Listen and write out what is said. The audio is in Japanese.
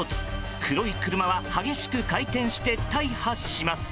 黒い車は激しく回転して大破します。